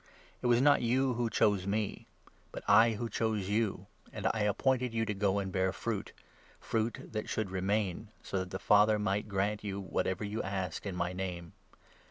It 16 was not you who chose me, but I who chose you, and I ap pointed you to go and bear fruit — fruit that should remain, so that the Father might grant you whatever you ask in my Name.